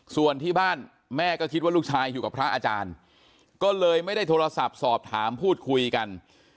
ส่วนที่บ้านแม่ก็คิดว่าลูกชายอยู่กับพระอาจารย์ก็เลยไม่ได้โทรศัพท์สอบถามพูดคุยกัน